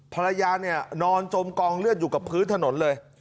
ภรรยาเนี่ยนอนจมกองเลือดอยู่กับพื้นถนนเลย